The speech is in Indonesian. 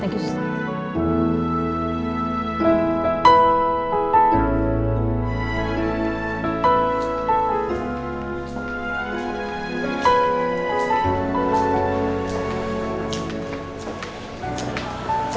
thank you sus